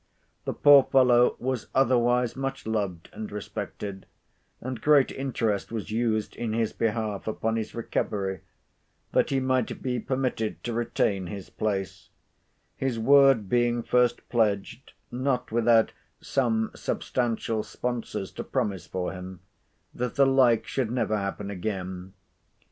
The poor fellow was otherwise much loved and respected; and great interest was used in his behalf, upon his recovery, that he might be permitted to retain his place; his word being first pledged, not without some substantial sponsors to promise for him, than the like should never happen again.